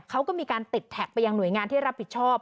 เขาก็มีการติดแท็กไปยังหน่วยงานที่รับผิดชอบ